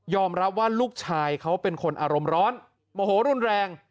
รับว่าลูกชายเขาเป็นคนอารมณ์ร้อนโมโหรุนแรง